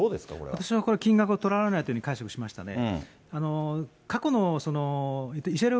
私はこれ、金額はとらわれないというふうに解釈しましたね。